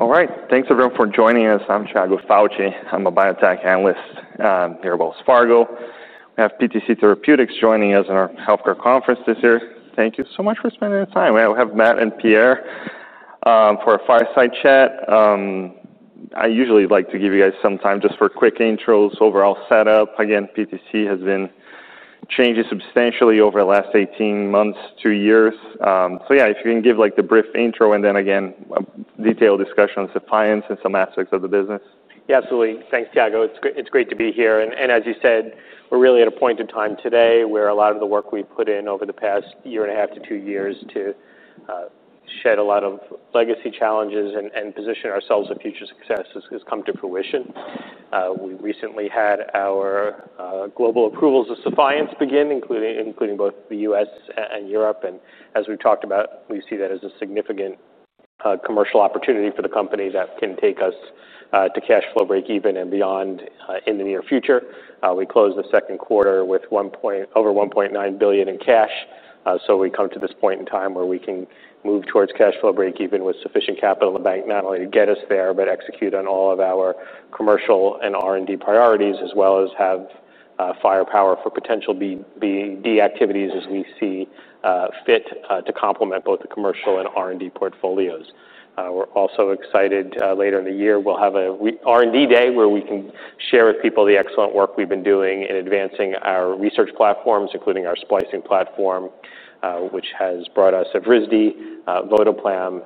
All right. Thanks everyone for joining us. I'm Thiago Fauci. I'm a biotech analyst here at Wells Fargo. We have PTC Therapeutics joining us in our health care conference this year. Thank you so much for spending the time. We have Matt and Pierre for a fireside chat. I usually like to give you guys some time just for quick intros, overall setup. Again, PTC has been changing substantially over the last eighteen months, two years. So, yeah, if you can give, like, the brief intro and then, again, a detailed discussion on supply and some aspects of the business. Yes, absolutely. Thanks, Thiago. It's great to be here. And as you said, we're really at a point in time today where a lot of the work we've put in over the past one years point to two years to shed a lot of legacy challenges and position ourselves in future success has come to fruition. We recently had our global approvals of Suffiance begin, including both The U. S. And Europe. And as we've talked about, we see that as a significant commercial opportunity for the company that can take us to cash flow breakeven and beyond in the near future. We closed the second quarter with over $1,900,000,000 in cash. So we come to this point in time where we can move towards cash flow breakeven with sufficient capital to bank, not only to get us there but execute on all of our commercial and R and D priorities as well as have firepower for potential BD activities as we see fit to complement both the commercial and R and D portfolios. We're also excited later in the year, we'll have a R and D Day where we can share with people the excellent work we've been doing in advancing our research platforms, including our splicing platform, which has brought us Avrizd, Vodoplam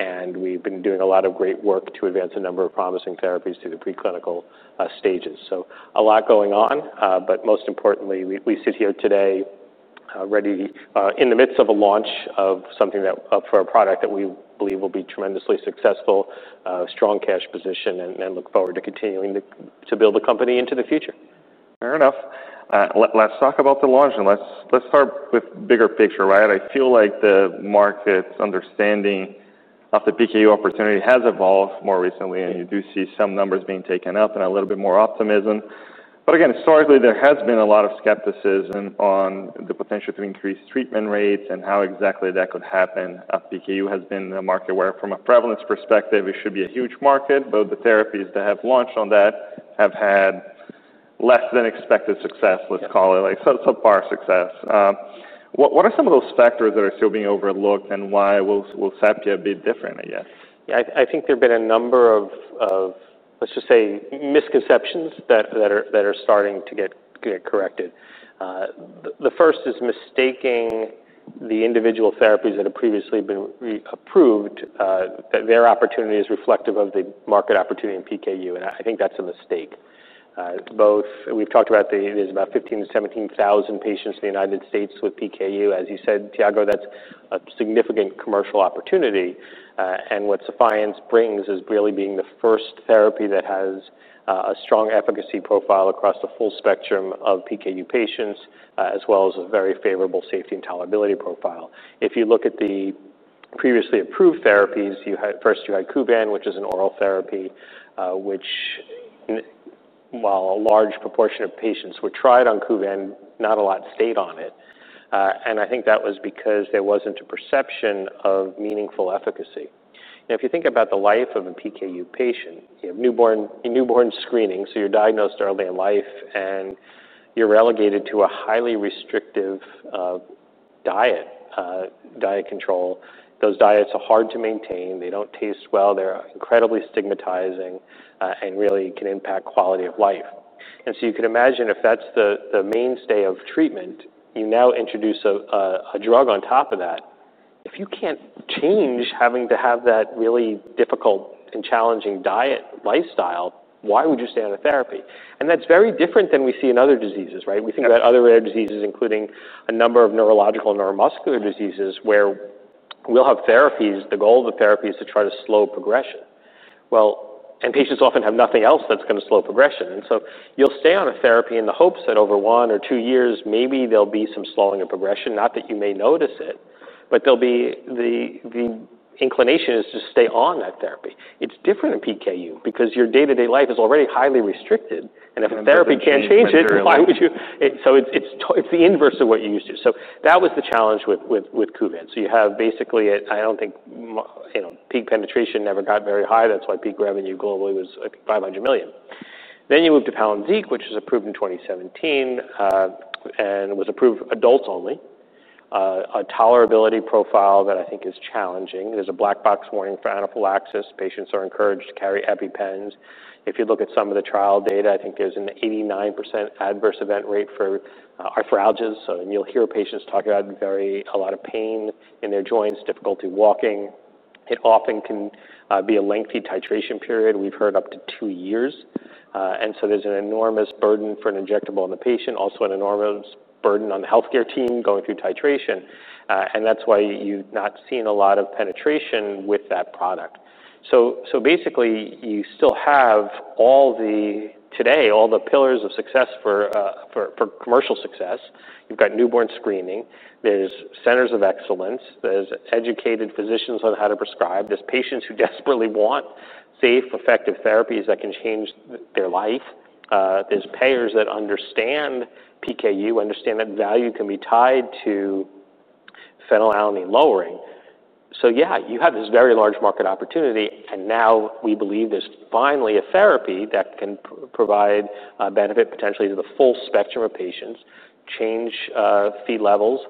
and we've been doing a lot of great work to advance a number of promising therapies to the preclinical stages. So a lot going on, but most importantly, we sit here today ready in the midst of a launch of something that for a product that we believe will be tremendously successful, strong cash position and look forward to continuing to build the company into the future. Fair enough. Let's talk about the launch, and let's start with bigger picture, right? I feel like the market's understanding of the PKU opportunity has evolved more recently, and you do see some numbers being taken up and a little bit more optimism. But again, historically, there has been a lot of skepticism on the potential to increase treatment rates and how exactly that could happen. PKU has been a market where, from a prevalence perspective, it should be a huge market, but the therapies that have launched on that have had less than expected success, let's What call it, like subpar are some of those factors that are still being overlooked? And why will Saptia be different, I guess? Yes. Think there have been a number of, let's just say, misconceptions that are starting to get corrected. The first is mistaking the individual therapies that have previously been reapproved, their opportunity is reflective of the market opportunity in PKU, and I think that's a mistake. Both we've talked about there's about fifteen thousand to seventeen thousand patients in The United States with PKU. As you said, Tiago, that's a significant commercial opportunity. And what Sefiance brings is really being the first therapy that has a strong efficacy profile across the full spectrum of PKU patients as well as a very favorable safety and tolerability profile. If you look at the previously approved therapies, had first you had Kuvan which is an oral therapy which while a large proportion of patients were tried on Kuvan, not a lot stayed on it. And I think that was because there wasn't a perception of meaningful efficacy. Now if you think about the life of a PKU patient, you have newborn screening, so you're diagnosed early in life and you're relegated to a highly restrictive diet, diet control. Those diets are hard to maintain, they don't taste well, they're incredibly stigmatizing and really can impact quality of life. And so you can imagine if that's the mainstay of treatment, you now introduce a drug on top of that. If you can't change having to have that really difficult and challenging diet lifestyle, why would you stay on the therapy? And that's very different than we see in other diseases, right? We think about other rare diseases, including a number of neurological neuromuscular diseases where we'll have therapies the goal of the therapy is to try to slow progression. Patients often have nothing else that's going to slow progression. So you'll stay on a therapy in the hopes that over one or two years maybe there'll be some slowing of progression, not that you may notice it, but there'll be the inclination is to stay on that therapy. It's different in PKU because your day to day life is already highly restricted. And if therapy can't change it, why would you so it's the inverse of what you're used to. So that was the challenge with Kuvan. So you have basically I don't think peak penetration never got very high. That's why peak revenue globally was $500,000,000 Then you move to Palynziq, which was approved in 2017 and was approved adults only, a tolerability profile that I think is challenging. There's a black box warning for anaphylaxis. Patients are encouraged to carry EpiPens. If you look at some of the trial data, I think there's an eighty nine percent adverse event rate for arthralgias. And you'll hear patients talk about a lot of pain in their joints, difficulty walking. It often can be a lengthy titration period. We've heard up to two years. And so there's an enormous burden for an injectable on the patient, also an enormous burden on the healthcare team going through titration. And that's why you've not seen a lot of penetration with that product. So basically, you still have all the today, all the pillars of success for commercial success. You've got newborn screening, there's centers of excellence, there's educated physicians on how to prescribe, there's patients who desperately want safe, effective therapies that can change their life, there's payers that understand PKU, understand that value can be tied to phenylalanine lowering. So yes, you have this very large market opportunity, and now we believe there's finally a therapy that can provide benefit potentially to the full spectrum of patients, change feed levels.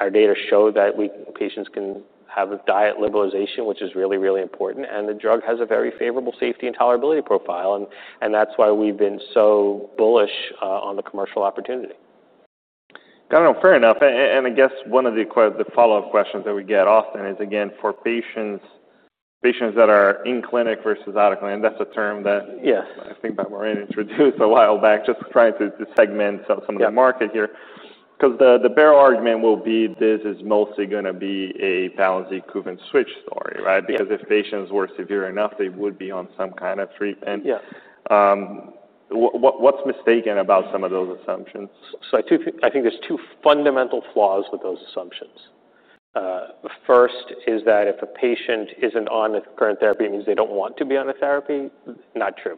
Our data show that patients can have a diet liberalization, which is really, really important. And the drug has a very favorable safety and tolerability profile. And that's why we've been so bullish on the commercial opportunity. Fair enough. And I guess one of the follow-up questions that we get often is, again, for patients that are in clinic versus out of clinic, and that's a term that I think that Maurin introduced a while back, just trying to segment some of the market here. Because the bare argument will be this is mostly going to be a Palynziq Kuvann switch story, right? Because if patients were severe enough, they would be on some kind of treatment. What's mistaken about some of those assumptions? So I think there's two fundamental flaws with those assumptions. First is that if a patient isn't on the current therapy, means they don't want to be on the therapy, not true.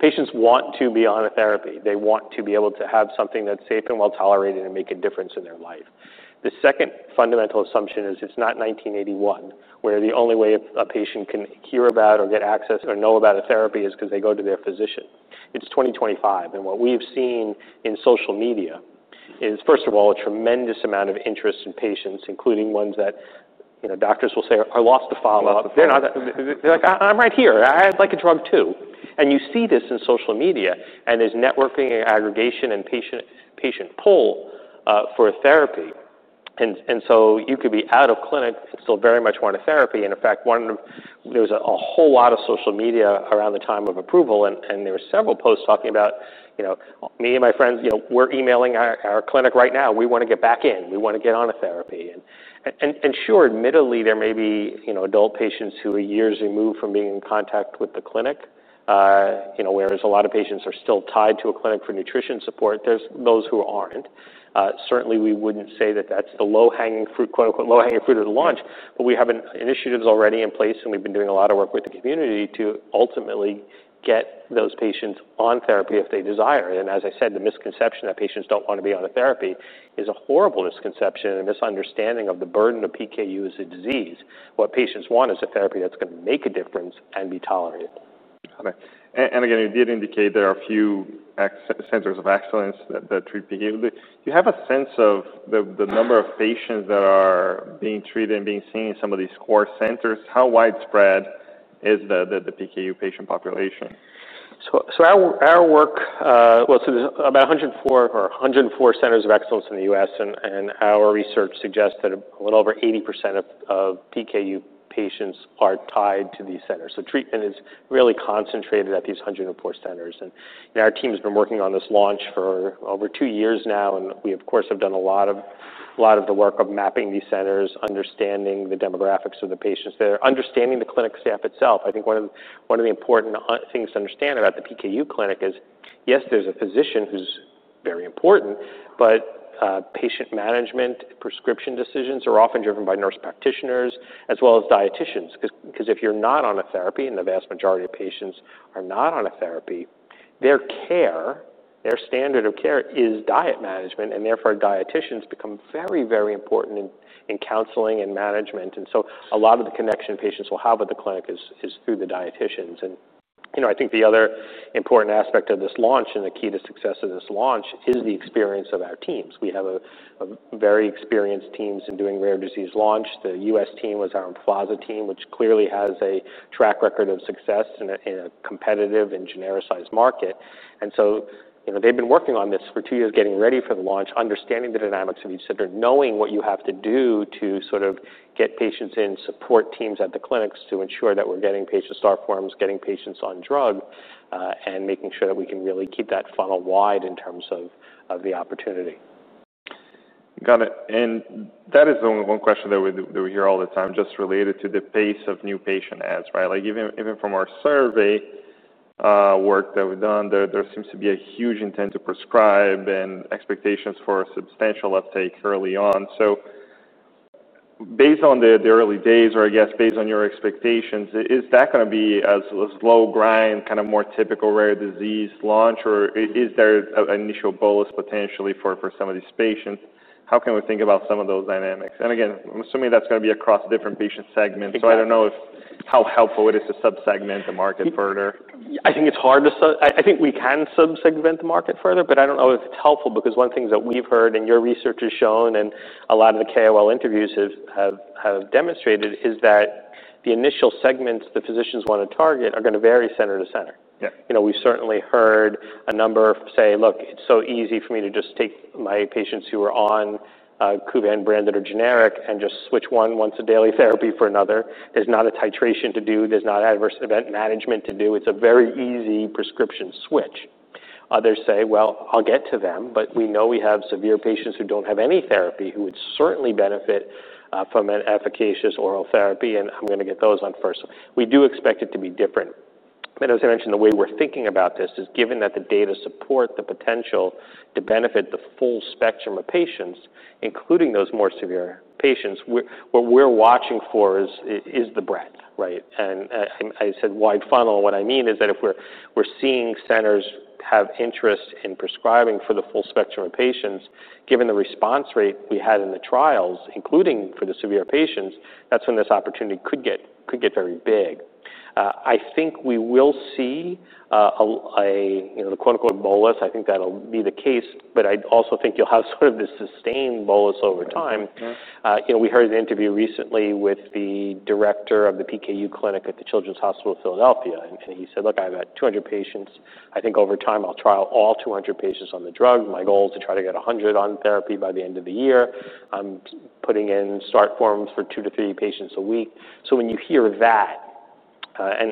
Patients want to be on a therapy. They want to be able to have something that's safe and well tolerated and make a difference in their life. The second fundamental assumption is it's not 1981 where the only way a patient can hear about or get access or know about a therapy is because they go to their physician. It's 2025 and what we've seen in social media is first of all a tremendous amount of interest in patients including ones that doctors will say, I lost a follow-up. They're like, I'm right here. I'd like a drug too. And you see this in social media and there's networking and aggregation and patient pull for a therapy. And so you could be out of clinic and still very much want a therapy. And in fact, one of them there was a whole lot of social media around the time of approval and there were several posts talking about me and my friends, we're emailing our clinic right now. We want to get back in. We want to get on a therapy. And sure, admittedly, there may be adult patients who are years removed from being in contact with the clinic, whereas a lot of patients are still tied to a clinic for nutrition support, there's those who aren't. Certainly we wouldn't say that that's the low hanging fruit of the launch, but we have initiatives already in place and we've been doing a lot of work with the community to ultimately get those patients on therapy if they desire. And as I said, the misconception that patients don't want to be on a therapy is a horrible misconception and misunderstanding of the burden of PKU as a disease. What patients want is a therapy that's going to make a difference and be tolerated. Okay. And again, you did indicate there are a few centers of excellence that treat PKU. Do you have a sense of the number of patients that are being treated and being seen in some of these core centers? How widespread is the PKU patient population? So our work well, so there's about 104 or 104 centers of excellence in The U. S, and our research suggests that a little over eighty percent of PKU patients are tied to these centers. So treatment is really concentrated at these 104 centers. And our team has been working on this launch for over two years now, and we, of course, have done a lot of the work of mapping these centers, understanding the demographics of the patients there, understanding the clinic staff itself. I think one of the important things to understand about the PKU clinic is, yes, there's a physician who's very important, but patient management, prescription decisions are often driven by nurse practitioners as well as dietitians. Because if you're not on a therapy and the vast majority of patients are not on a therapy, their care, their standard of care is diet management and therefore dietitians become very, very important in counseling and management. And so a lot of the connection patients will have at the clinic is through the dietitians. And I think the other important aspect of this launch and the key to success of this launch is the experience of our teams. We have a very experienced teams in doing rare disease launch. The U. S. Team was our Emflaza team, which clearly has a track record of success in a competitive and genericized market. And so they've been working on this for two years, getting ready for the launch, understanding the dynamics of each center, knowing what you have to do to sort of get patients in, support teams at the clinics to ensure that we're getting patient start forms, getting patients on drug, and making sure that we can really keep that funnel wide in terms of the opportunity. Got it. And that is the only one question that we hear all the time just related to the pace of new patient patient adds. Right? Like, even even from our survey, work that we've done, there there seems to be a huge intent to prescribe and expectations for a substantial uptake early on. So based on the the early days or, I guess, based on your expectations, is that gonna be as a slow grind, kind of more typical rare disease launch, or is there an initial bolus potentially for for some of these patients? How can we think about some of those dynamics? And, again, I'm assuming that's going to be across different patient segments, so I don't know if how helpful it is to subsegment the market I think it's hard to I think we can subsegment the market further, but I don't know if it's helpful because one the things that we've heard and your research has shown and a lot of the KOL interviews have demonstrated is that the initial segments the physicians want to target are going to vary center to center. We certainly heard a number say, look, it's so easy for me to just take my patients who are on Kuvan branded or generic and just switch one once a daily therapy for another. There's not a titration to do, there's not adverse event management to do, it's a very easy prescription switch. Others say well I'll get to them but we know we have severe patients who don't have any therapy who would certainly benefit from an efficacious oral therapy, and I'm going to get those on first. We do expect it to be different. But as I mentioned, the way we're thinking about this is given that the data support the potential to benefit the full spectrum of patients, including those more severe patients, what we're watching for is the breadth, right? And I said wide funnel. What I mean is that if we're seeing centers have interest in prescribing for the full spectrum of patients, given the response rate we had in the trials, including for the severe patients, that's when this opportunity could get very big. I think we will see bolus. I think that will be the case, but I also think you'll have sort of this sustained bolus over time. We heard the interview recently with the Director of the PKU Clinic at the Children's Hospital of Philadelphia, and he said, Look, I've got 200 patients. I think over time, I'll trial all 200 patients My goal is to try to get 100 on therapy by the end of the year. I'm putting in start forms for two to three patients a week. So when you hear that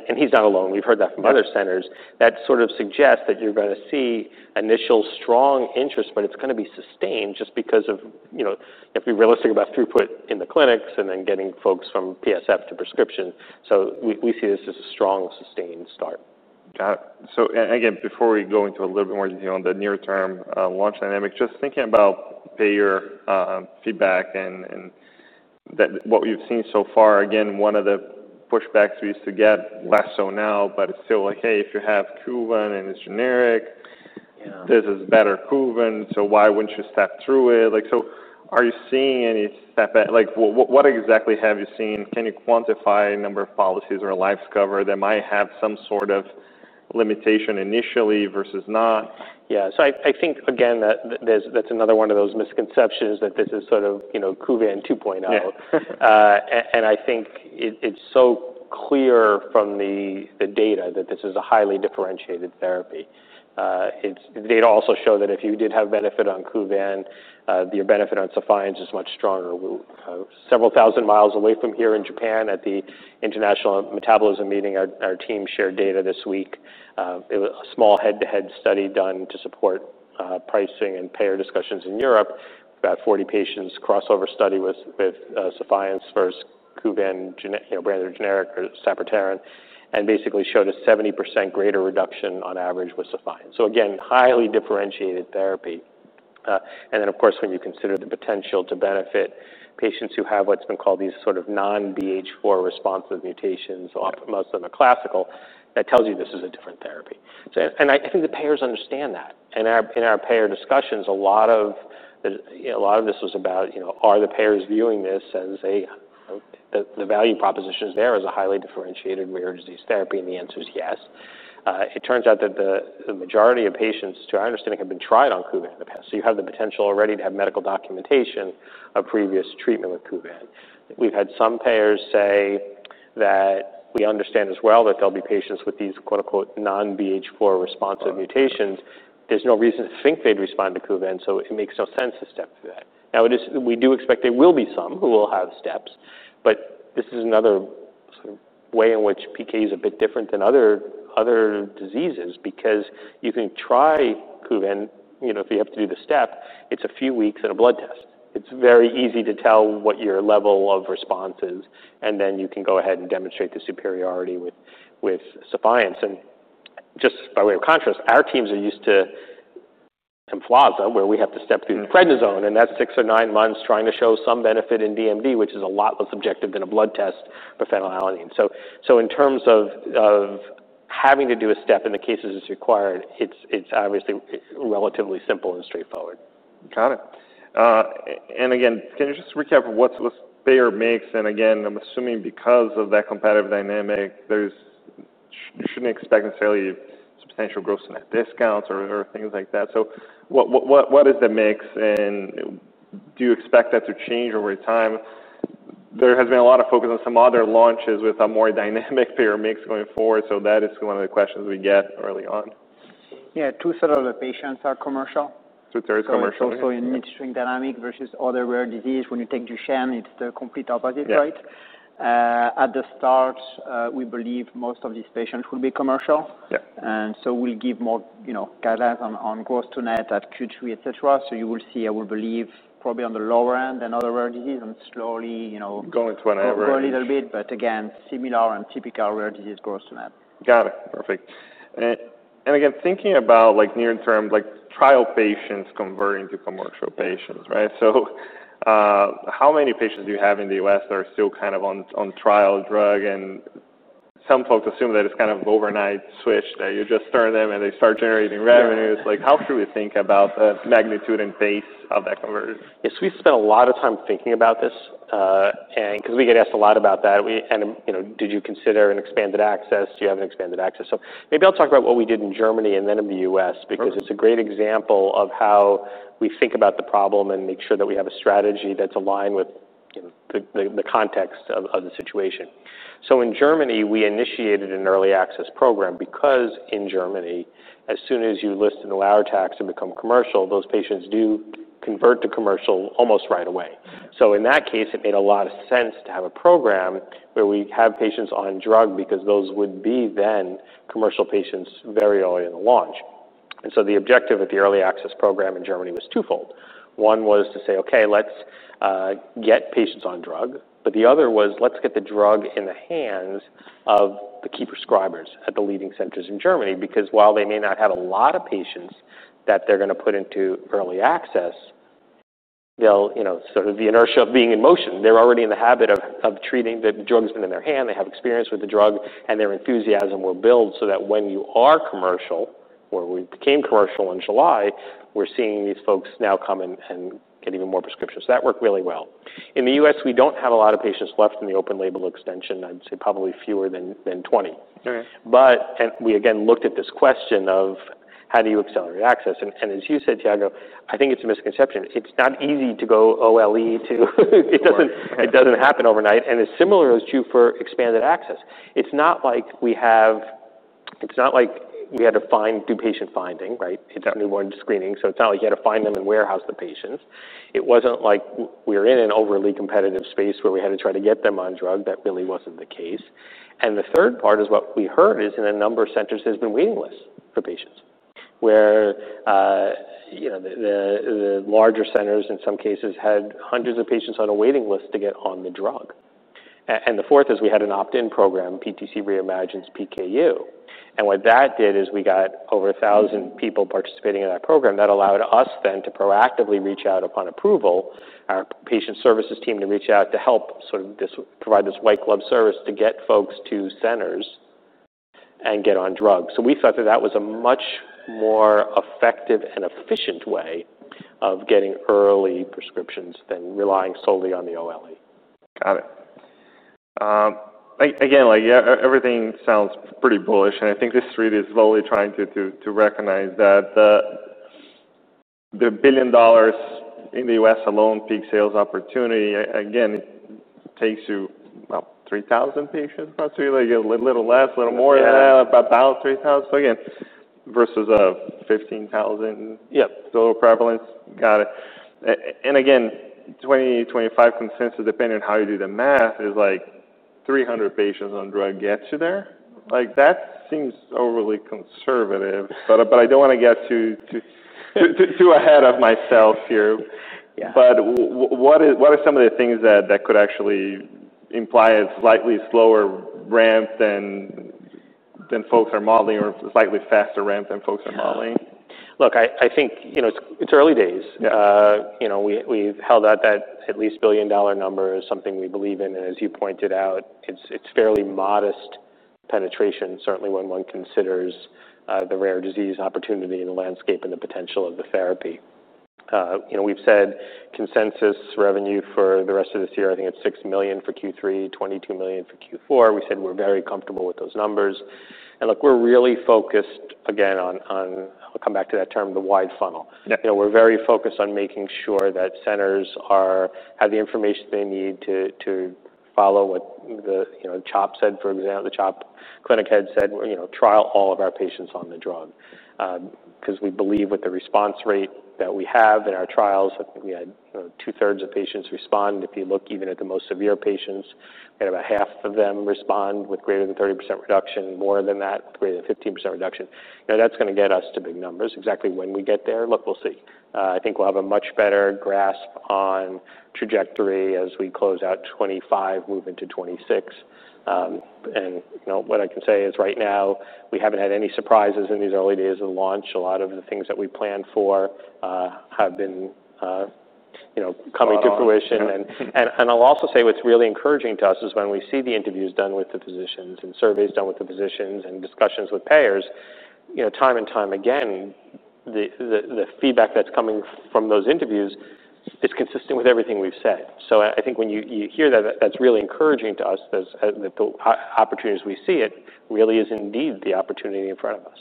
and he's not alone, we've heard that from other centers that sort of suggests that you're going to see initial strong interest, but it's going to be sustained just because of if we're realistic about throughput in the clinics and then getting folks from PSF to prescription. So we see this as a strong sustained start. Got it. So again, before we go into a little bit more detail on the near term launch dynamic, just thinking about payer feedback and what we've seen so far, again, of the pushbacks we used to get less so now, but it's still like, hey, if you have Kuvan and it's generic Yeah. This is better Kuvan. So why wouldn't you step through it? Like, so are you seeing any step like, what exactly have you seen? Can you quantify number of policies or lives cover that might have some sort of limitation initially versus not? Yes. So I think, again, that's another one of those misconceptions that this is sort of Kuvan two point zero. And I think it's so clear from the data that this is a highly differentiated therapy. The data also show that if you did have benefit on Kuvan, the benefit on Cefiance is much stronger. Thousand miles away from here in Japan at the International Metabolism Meeting. Our team shared data this week. It was a small head to head study done to support pricing and payer discussions in Europe, about 40 patients crossover study with Cefiance versus Kuvan branded generic saproteren and basically showed a seventy percent greater reduction on average with Cefiance. So again, highly differentiated therapy. And then of course, when you consider the potential to benefit patients who have what's been called these sort of non BH4 responsive mutations, most of them are classical, that tells you this is a different therapy. And I think the payers understand that. In our payer discussions, a lot of this was about are the payers viewing this as a the value proposition is there as a highly differentiated rare disease therapy, and the answer is yes. It turns out that the majority of patients, to our understanding, have been tried on Coumadin in the So you have the potential already to have medical documentation of previous treatment with Kuvan. We've had some payers say that we understand as well that there'll be patients with these non BH4 responsive mutations. There's no reason to think they'd respond to Kuvan, so it makes no sense to step through that. Now we do expect there will be some who will have steps, but this is another way in which PK is a bit different than other diseases because you can try Kuvan if you have to do the step. It's a few weeks and a blood test. It's very easy to tell what your level of response is, and then you can go ahead and demonstrate the superiority with suppliance. And just by way of contrast, our teams are used to some plaza where we have to step through the prednisone, and that's six or nine months trying to show some benefit in DMD, which is a lot less objective than a blood test for phenylalanine. So in terms of having to do a step in the cases that's required, it's obviously relatively simple and straightforward. Got it. And again, can you just recap what's their mix? And again, I'm assuming because of that competitive dynamic, there's you shouldn't expect necessarily substantial gross to net discounts or things like that. So what is the mix? And do you expect that to change over time? There has been a lot of focus on some other launches with a more dynamic payer mix going forward. So that is one of the questions we get early on. Yes. Twothree of the patients are commercial. Twothree is commercial, yes. So in midstream dynamic versus other rare disease, when you take Duchenne, it's the complete opposite, At the start, we believe most of these patients will be commercial. And so we'll give more guidance on gross to net at Q3, etcetera. So you will see, I will believe, probably on the lower end than other rare disease and slowly Going to an average. Grow a little bit, but again, similar and typical rare disease gross to net. Got it. Perfect. And again, thinking about, like, near term, like, patients converting to commercial patients, right, so, how many patients do you have in The U. S. That are still kind of on trial drug? And some folks assume that it's kind of overnight switch that you just started them and they start generating revenues. Like how should we think about the magnitude and pace of that conversion? Yes. We spend a lot of time thinking about this. And because we get asked a lot about that. We and did you consider an expanded access? Do you have an expanded access? So maybe I'll talk about what we did in Germany and then in The U. S. Because it's a great example of how we think about the problem and make sure that we have a strategy that's aligned with the context of the situation. So in Germany, we initiated an early access program because in Germany, as soon as you list an LAROTAX and become commercial, those patients do convert to commercial almost right away. So in that case, it made a lot of sense to have a program where we have patients on drug because those would be then commercial patients very early in the launch. And so the objective of the early access program in Germany was twofold. One was to say, okay, let's get patients on drug. But the other was let's get the drug in the hands of the key prescribers at the leading centers in Germany because while they may not have a lot of patients that they're going to put into early access, they'll sort of the inertia of being in motion. They're already in the habit of treating the drug has been in their hand. They have experience with the drug and their enthusiasm will build so that when you are commercial, where we became commercial in July, we're seeing these folks now come and get even more prescriptions. So that worked really well. In The U. S, we don't have a lot of patients left in the open label extension. I'd say probably fewer than 20. But we again looked at this question of how do you accelerate access. And as you said, Tiago, I think it's a misconception. It's not easy to go OLE to it doesn't happen overnight. And it's similar as true for expanded access. It's not like we have it's not like we had to find do patient finding, right? It's not newborn screening, so it's not like you had to find them and warehouse the patients. It wasn't like we were in an overly competitive space where we had to try to get them on drug. That really wasn't the case. And the third part is what we heard is in a number of centers has been waiting lists for patients, where larger centers in some cases had hundreds of patients on a waiting list to get on the drug. And the fourth is we had an opt in program, PTC Reimagines PKU. And what that did is we got over 1,000 people participating in that program that allowed us then to proactively reach out upon approval, our patient services team to reach out to help sort of provide this white glove service to get folks to centers and get on drugs. So we thought that that was a much more effective and efficient way of getting early prescriptions than relying solely on the OLE. Got it. Again, like everything sounds pretty bullish, and I think this really is slowly trying to recognize that the billion dollars in The US alone, peak sales opportunity, again, takes you about 3,000 patients, possibly, like a little less, a little more. Yeah. About about 3,000. So, again, versus 15,000 Yep. Total prevalence. Got it. And, again, twenty, twenty five consensus depending on how you do the math is, like, 300 patients on drug gets you there. Like, that seems overly conservative, but but I don't wanna get too too too ahead of myself here. But what are some of the things that could actually imply a slightly slower ramp than folks are modeling or slightly faster ramp than folks are modeling? Look, I think it's early days. We've held out that at least $1,000,000,000 number as something we believe in. And as you pointed out, it's fairly modest penetration certainly when one considers the rare disease opportunity in the landscape and the potential of the therapy. We've said consensus revenue for the rest of this year, think it's $6,000,000 for Q3, 22,000,000 for Q4. We said we're very comfortable with those numbers. And look, we're really focused, again, on I'll come back to that term, the wide funnel. We're very focused on making sure that centers are have the information they need to follow what the CHOP said, for example, the CHOP clinic had said, trial all of our patients on the drug. Because we believe with the response rate that we have in our trials, I think we had twothree of patients respond if you look even at the most severe patients, about half of them respond with greater than 30 reduction, more than that with greater than fifteen percent reduction. Now that's going to get us to big numbers. Exactly when we get there, look, we'll see. I think we'll have a much better grasp on trajectory as we close out 2025, move into 2026. And what I can say is right now, we haven't had any surprises in these early days of launch. A lot of the things that we planned for have been coming And to I'll also say what's really encouraging to us is when we see the interviews done with the physicians and surveys done with the physicians and discussions with payers, time and time again, the feedback that's coming from those interviews is consistent with everything we've said. So I think when you hear that, that's really encouraging to us that the opportunity as we see it really is indeed the opportunity in front of us.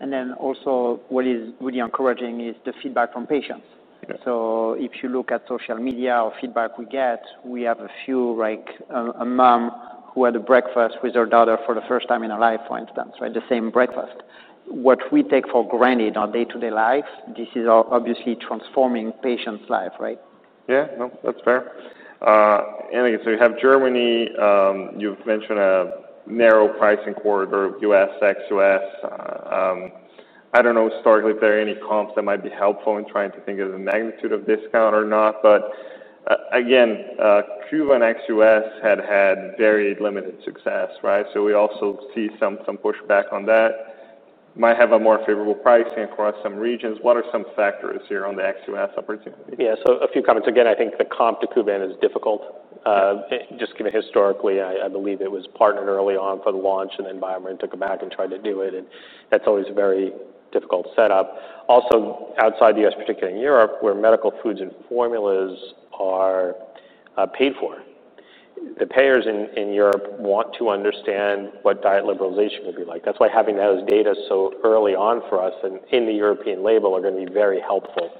And then also what is really encouraging is the feedback from patients. So if you look at social media or feedback we get, we have a few, like, mom who had a breakfast with her daughter for the first time in her life, for instance, right, the same breakfast. What we take for granted on day to day life, this is obviously transforming patients' life. Right? Yeah. No. That's fair. Anyway, so you have Germany. You've mentioned a narrow pricing corridor of US, ex US. I don't know historically if there are any comps that might be helpful in trying to think of the magnitude of discount or not. But again, Cuba and ex U. S. Had had very limited success, right? So we also see some pushback on that. Might have a more favorable pricing across some regions. What are some factors here on the ex U. S. Opportunity? Yes. So a few comments. Again, I think the comp to Kuvan is difficult. Just given historically, I believe it was partnered early on for the launch, and then BioMarin took it back and tried to do it. And that's always a very difficult setup. Also outside The U. S, particularly in Europe, where medical foods and formulas are paid for, the payers in Europe want to understand what diet liberalization will be like. That's why having those data so early on for us in the European label are going to be very helpful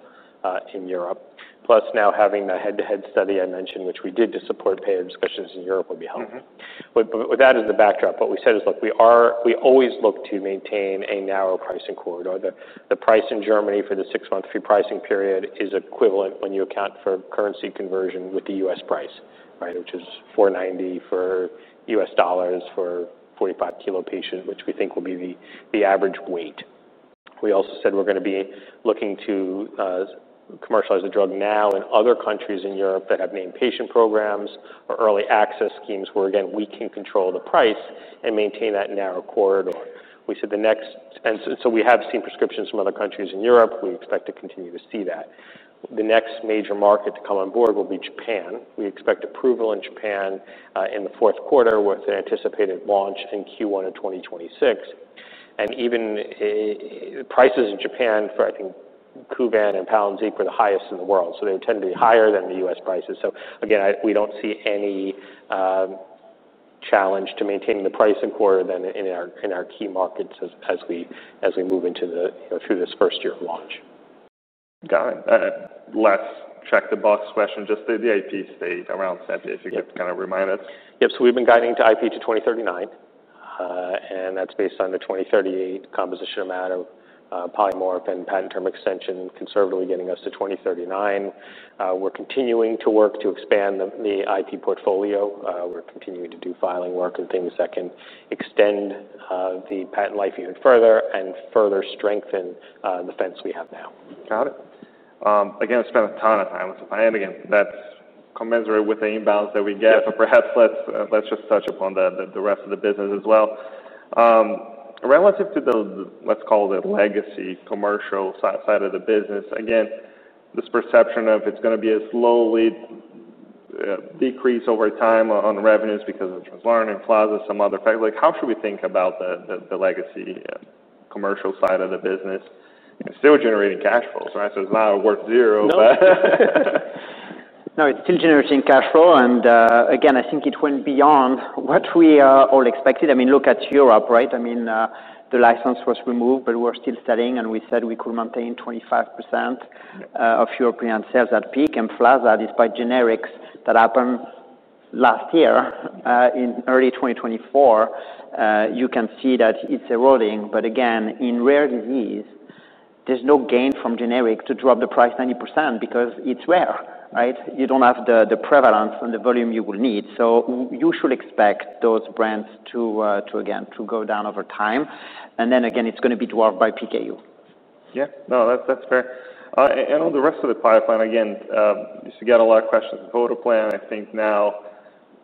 in Europe. Plus now having the head to head study I mentioned, which we did to support payer discussions in Europe would be helpful. With that as the backdrop, what we said is, look, we are we always look to maintain a narrow pricing corridor. The price in Germany for the six month free pricing period is equivalent when you account for currency conversion with The U. S. Price, right, which is $4.9 for U. S. Dollars for forty five kilo patient, which we think will be the average weight. We also said we're going to be looking to commercialize the drug now in other countries in Europe that have main patient programs or early access schemes where, again, we can control the price and maintain that narrow corridor. We said the next and so we have seen prescriptions from other countries in Europe. We expect to continue to see that. The next major market to come on board will be Japan. We expect approval in Japan in the fourth quarter with an anticipated launch in 2026. And even prices in Japan for, I think, Kuvan and Palynziq were the highest in the world. So they tend to be higher than The U. S. Prices. So again, we don't see any challenge to maintaining the pricing core than in our key markets as we move into the through this first year of launch. Got it. Last check the box question, just the IP state around Sentia, if you could kind of remind us. Yes. We've been guiding to IP to 2,039, and that's based on the 2,038 composition amount of polymorph and patent term extension conservatively getting us to 2,039. We're continuing to work to expand the IP portfolio. We're continuing to do filing work and things that can extend the patent life even further and further strengthen the fence we have now. Got it. Again, spent a ton of time with the financing. That's commensurate with the imbalance that we get. But perhaps let's just touch upon the rest of the business as well. Relative to the, let's call it, legacy commercial side of the business, again, this perception of it's going to be a slowly decrease over time on revenues because of Translarna and Plaza, some other fact, like, how should we think about the legacy commercial side of the business still generating cash flows, right? So it's not worth zero. No, it's still generating cash flow. And again, I think it went beyond what we all expected. I mean, at Europe, right? I mean the license was removed, but we're still studying and we said we could maintain 25% of European sales at peak and Flaza despite generics that happened last year in early twenty twenty four, you can see that it's eroding. But again, in rare disease, there's no gain from generic to drop the price 90 percent because it's rare, right? You don't have the prevalence and the volume you will need. So you should expect those brands to again, to go down over time. And then again, it's going be dwarfed by PKU. Yes. No, that's fair. And on the rest of the pipeline, again, you get a lot of questions about the plan. I think now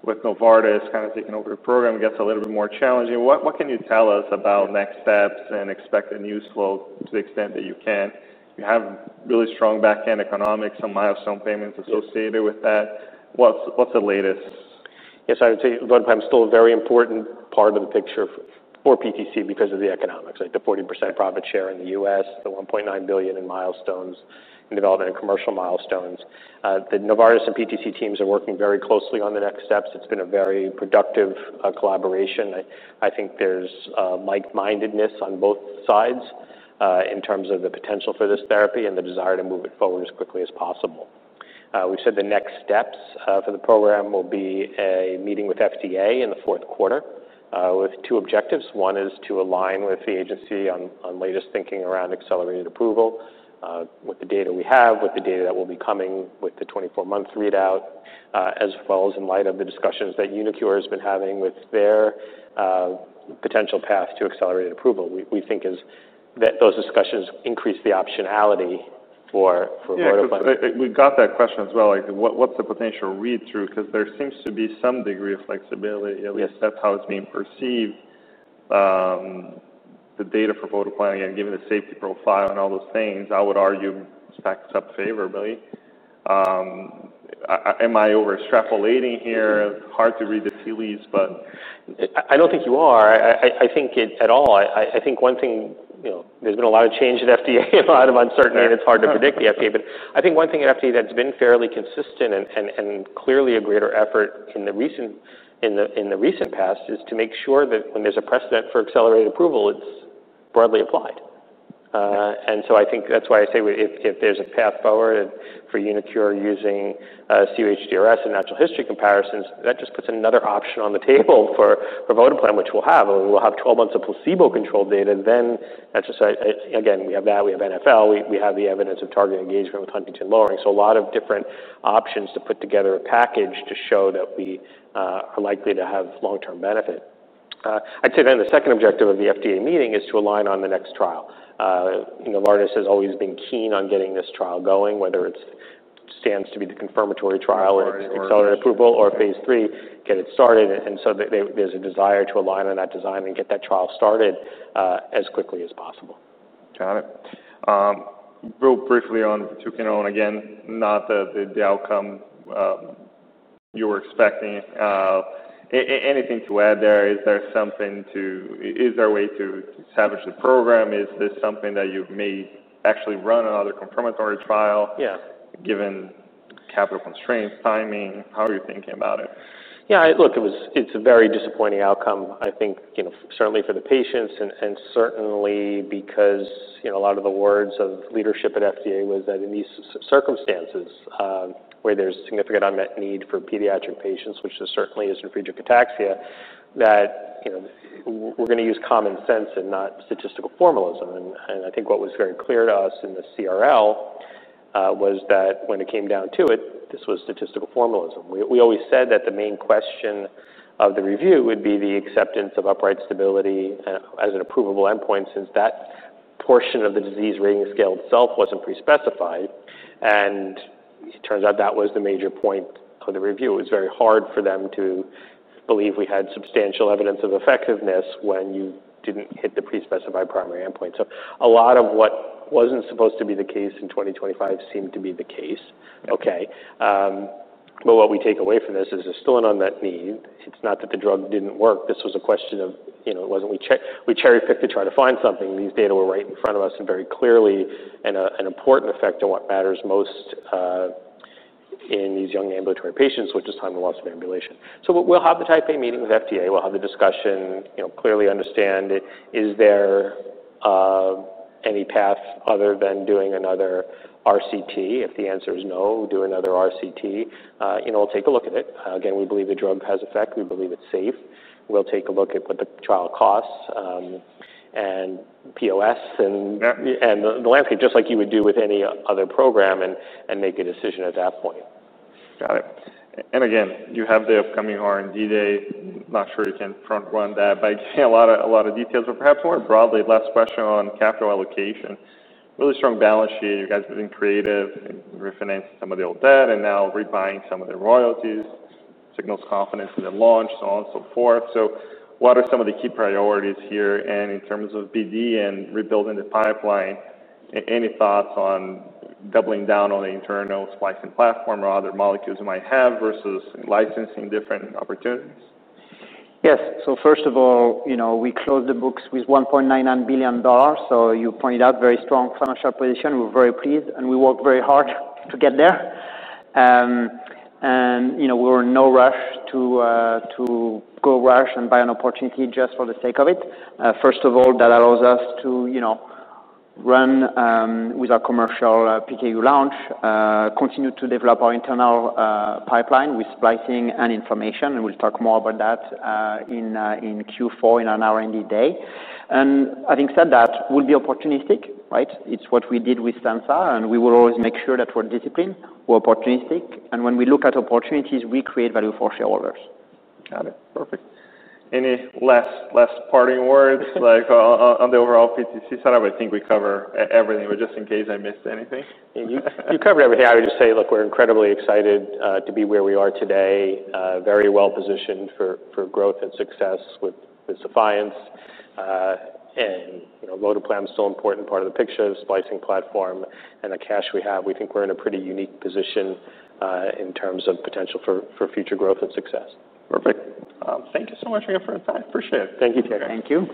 with Novartis kind of taking over the program, it gets a little bit more challenging. What can you tell us about next steps and expect a news flow to the extent that you can? You have really strong back end economics and milestone payments associated What's with the latest? Yes. I would say, long term, it's still a very important part of the picture for PTC because of the economics, the 40% profit share in The U. S, the $1,900,000,000 in milestones in development and commercial milestones. The Novartis and PTC teams are working very closely on the next steps. It's been a very productive collaboration. I think there's like mindedness on both sides in terms of the potential for this therapy and the desire to move it forward as quickly as possible. We said the next steps for the program will be a meeting with FDA in the fourth quarter with two objectives. One is to align with the agency on latest thinking around accelerated approval with the data we have, with the data that will be coming with the twenty four month readout as well as in light of the discussions that Unicure has been having with their potential path to accelerated approval. We think is that those discussions increase the optionality for vorticline. Yes. We've got that question as well, like what's the potential Because there seems to be some degree of flexibility. At least that's how it's being perceived. The data for photo planning and given the safety profile and all those things, I would argue stacks up favorably. Am I over extrapolating here? Hard to read the tea leaves, but I don't think you are. I think it at all. I think one thing there's been a lot of change in FDA, lot of uncertainty, and it's hard to predict the FDA. But I think one thing in FDA that's been fairly consistent and clearly a greater effort in the recent past is to make sure that when there's a precedent for accelerated approval, it's broadly applied. And so I think that's why I say if there's a path forward for UniCure using CUH DRS and natural history comparisons, that just puts another option on the table for vodipan, which we'll have. We will have 12 of placebo controlled data. And then that's just again, we have that, we have NFL, we have the evidence of target engagement So a lot of different options to put together a package to show that we are likely to have long term benefit. I'd say then the second objective of the FDA meeting is to align on the next trial. Novartis has always been keen on getting this trial going, whether it stands to be the confirmatory trial or accelerated approval or Phase III, get it started. And so there's a desire to align on that design and get that trial started as quickly as possible. Got it. Real briefly on two k one. Again, not the the outcome you were expecting. Anything to add there? Is there something to is there a way to establish the program? Is this something that you may actually run another confirmatory trial given capital constraints, timing? How are you thinking about it? Yes. Look, it was it's a very disappointing outcome, think, certainly for the patients and certainly because a lot of the words of leadership at FDA was that in these circumstances where there's significant unmet need for pediatric patients, which certainly is refriedrich ataxia, that we're going to use common sense and not statistical formalism. And I think what was very clear to us in the CRL was that when it came down to it, this was statistical formalism. We always said that the main question of the review would be the acceptance of upright stability as an approvable endpoint since that portion of the disease rating scale itself wasn't prespecified. And it turns out that was the major point for the review. Was very hard for them to believe we had substantial evidence of effectiveness when you didn't hit the prespecified primary endpoint. So a lot of what wasn't supposed to be the case in 2025 seemed to be the case, okay? But what we take away from this is there's still an unmet need. It's not that the drug didn't work. This was a question of it wasn't we cherry picked to try to find something. These data were right in front of us and very clearly an important effect on what matters most in these young ambulatory patients, which is time of loss of ambulation. So we'll have the Type A meeting with FDA. We'll have the discussion, clearly understand is there any path other than doing another RCT. If the answer is no, do another RCT. We'll take a look at it. Again, we believe the drug has effect. We believe it's safe. We'll take a look at what the trial costs and POS and the landscape just like you would do with any other program and make a decision at that point. Got it. And again, you have the upcoming R and D Day. I'm not sure you can front run that, I see a lot of details. But perhaps more broadly, last question on capital allocation. Really strong balance sheet. You guys have been creative, refinancing some of the old debt and now rebuying some of the royalties, signals confidence in the launch, so on and so forth. So what are some of the key priorities here? And in terms of BD and rebuilding the pipeline, any thoughts on doubling down on the internal splicing platform or other molecules you might have versus licensing different opportunities? Yes. So first of all, we closed the books with $1,990,000,000 So you pointed out very strong financial position. We're very pleased, and we worked very hard to get there. And we're in no rush to go rush and buy an opportunity just for the sake of it. First of all, that allows us to run with our commercial PKU launch, continue to develop our internal pipeline with splicing and information, and we'll talk more about that in Q4 in an R and D Day. And having said that, we'll be opportunistic, right? It's what we did with Stemsa, and we will always make sure that we're disciplined, opportunistic. And when we look at opportunities, we create value for shareholders. Got it. Perfect. Any last parting words like on the overall PTC setup? Think we cover everything, but just in case I missed anything. You covered everything. Would just say, look, we're incredibly excited to be where we are today, very well positioned for growth and success with Defiance. LOTOPLAM is still an important part of the picture, the splicing platform and the cash we have, we think we're in a pretty unique position in terms of potential for future growth and success. Perfect. Thank you so much again for your time. Appreciate it. Thank you, Taylor. Thank you.